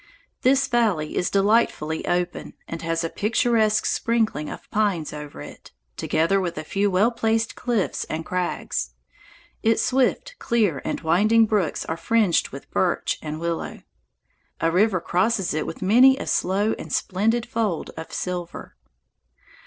This valley is delightfully open, and has a picturesque sprinkling of pines over it, together with a few well placed cliffs and crags. Its swift, clear, and winding brooks are fringed with birch and willow. A river crosses it with many a slow and splendid fold of silver.